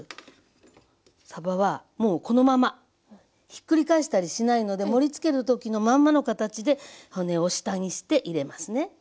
ひっくり返したりしないので盛りつける時のまんまの形で骨を下にして入れますね。